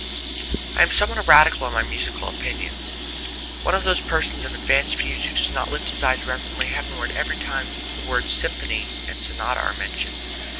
I am somewhat of a radical in my musical opinions, one of those persons of advanced views who does not lift his eyes reverentially heavenward every time the words "symphony" and "sonata" are mentioned.